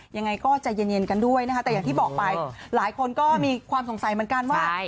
ยังไงก็ใจเย็นกันด้วยนะคะแต่อย่างที่บอกไปหลายคนก็มีความสงสัยเหมือนกันว่า